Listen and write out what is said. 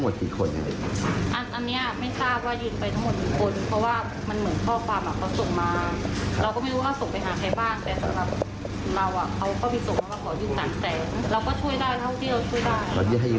เพราะที่เราให้รีมือเราไม่ได้ไปกดดันอะไรเลยใช่ไหม